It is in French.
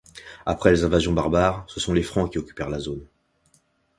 Après les invasions barbares, ce sont les Francs qui occupèrent la zone.